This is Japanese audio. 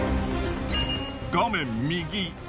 画面右。